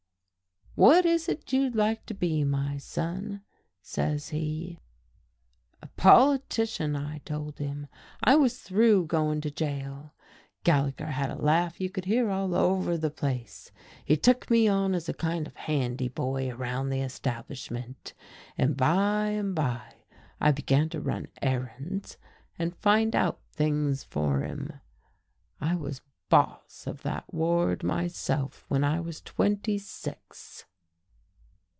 'What is it ye'd like to be, my son?' says he. A politician, I told him. I was through going to jail. Gallagher had a laugh you could hear all over the place. He took me on as a kind of handy boy around the establishment, and by and by I began to run errands and find out things for him. I was boss of that ward myself when I was twenty six....